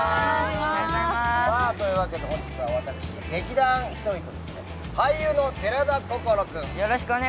というわけで本日は私、劇団ひとりと俳優の寺田心君。